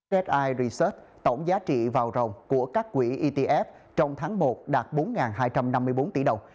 si resart tổng giá trị vào rồng của các quỹ etf trong tháng một đạt bốn hai trăm năm mươi bốn tỷ đồng